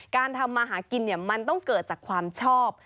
การทำมาหากินเนี่ยมันต้องเกิดจากความชอบ